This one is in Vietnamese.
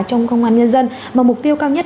trong công an nhân dân mà mục tiêu cao nhất